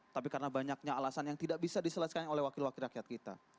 tapi karena banyaknya alasan yang tidak bisa diselesaikan oleh wakil wakil rakyat kita